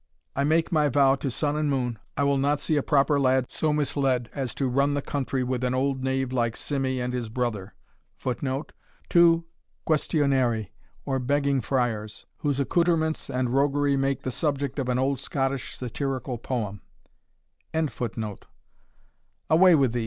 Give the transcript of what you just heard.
I make my vow to sun and moon, I will not see a proper lad so misleard as to run the country with an old knave like Simmie and his brother. [Footnote: Two quaestionarii, or begging friars, whose accoutrements and roguery make the subject of an old Scottish satirical poem] Away with thee!"